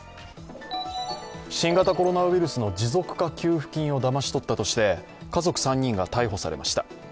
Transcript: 新型コロナウイルスの持続化給付金をだまし取ったとてし家族３人が逮捕されました。